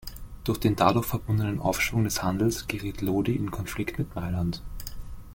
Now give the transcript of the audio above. Durch den dadurch verbundenen Aufschwung des Handels geriet Lodi in Konflikt mit Mailand.